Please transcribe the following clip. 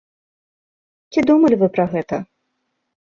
Ці думалі вы пра гэта?